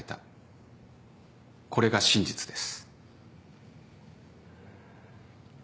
これが真実です。